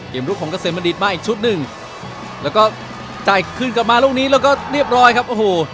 เกมรุกของเกษมณฤทธิ์มาอีกชุดนึงแล้วก็จ่ายขึ้นกลับมาลูกนี้แล้วก็เรียบร้อยครับ